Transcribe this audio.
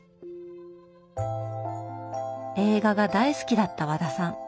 映画が大好きだった和田さん。